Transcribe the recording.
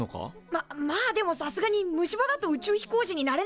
ままあでもさすがに虫歯だと宇宙飛行士になれないってわけじゃ。